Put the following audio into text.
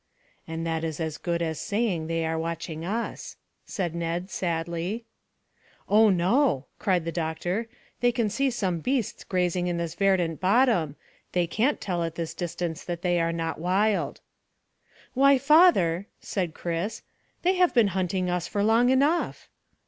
"And that is as good as saying that they are watching us," said Ned sadly. "Oh no," cried the doctor. "They can see some beasts grazing in this verdant bottom; they can't tell at this distance that they are not wild." "Why, father," said Chris, "they have been hunting us for long enough."